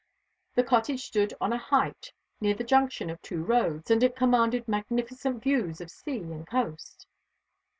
The cottage stood on a height, near the junction of two roads, and it commanded magnificent views of sea and coast.